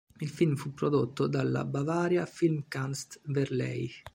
Il film fu prodotto dalla Bavaria-Filmkunst Verleih.